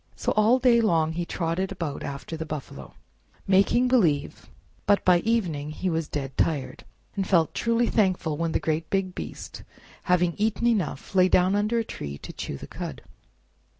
So all day long he trotted about after the buffalo, making believe; but by evening he was dead tired, and felt truly thankful when the great big beast, having eaten enough, lay down under a tree to chew the cud.